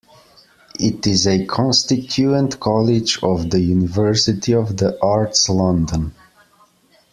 It is a constituent college of the University of the Arts London.